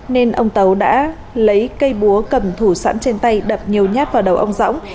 nên ông tấu đã lấy cây búa cầm thủ sẵn trên tay đập nhiều nhát vào đầu ông dõng